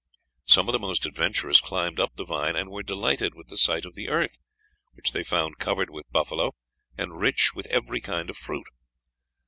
Some of the most adventurous climbed up the vine, and were delighted with the sight of the earth, which they found covered with buffalo, and rich with every kind of fruit.